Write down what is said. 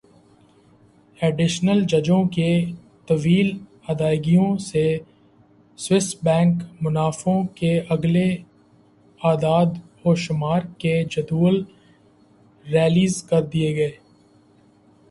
additional ججوں کی طویل ادائیگیوں سے سوئس بینک منافعوں کے اگلے اعدادوشمار کے جدول ریلیز کر دیے گئے